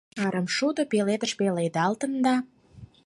Арымшудо пеледыш пеледалтын да.